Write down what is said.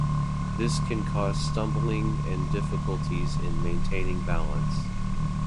This can cause stumbling and difficulties in maintaining balance.